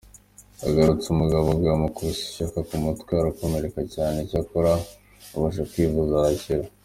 Agarutse, umugabo ngo yamukubise ishoka mu mutwe arakomereka cyane icyakora abasha kwivuza arakira.